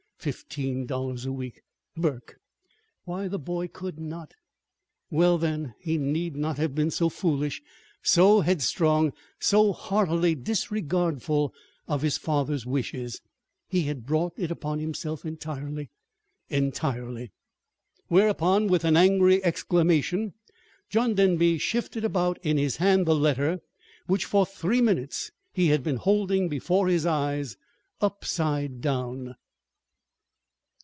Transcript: Fifteen dollars a week Burke! Why, the boy could not Well, then, he need not have been so foolish, so headstrong, so heartlessly disregardful of his father's wishes. He had brought it upon himself, entirely, entirely! Whereupon, with an angry exclamation, John Denby shifted about in his hand the letter which for three minutes he had been holding before his eyes upside down.